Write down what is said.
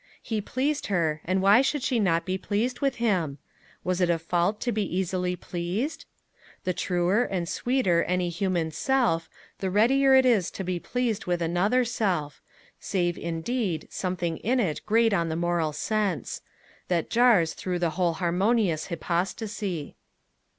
He pleased her, and why should she not be pleased with him? Was it a fault to be easily pleased? The truer and sweeter any human self, the readier is it to be pleased with another self save, indeed, something in it grate on the moral sense: that jars through the whole harmonious hypostasy.